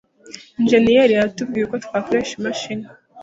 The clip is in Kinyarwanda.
Injeniyeri yatubwiye uko twakoresha imashini.